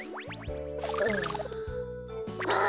あ！